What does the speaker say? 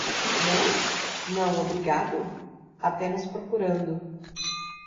Não? não, obrigado? apenas procurando.